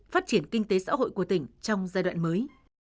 phát triển kinh tế xã hội của tỉnh trong giai đoạn mới